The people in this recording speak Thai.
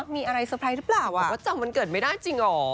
ขอบคุณว่าจำวันเกิดไม่ได้จริงอ๋อ